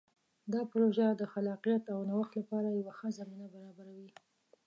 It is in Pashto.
دا پروژه د خلاقیت او نوښت لپاره یوه ښه زمینه برابروي.